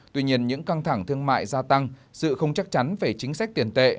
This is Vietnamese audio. tuy nhiên những căng thẳng thương mại gia tăng sự không chắc chắn về chính sách tiền tệ